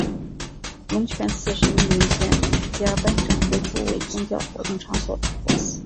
龙泉寺是密云县第一家颁证恢复为宗教活动场所的佛寺。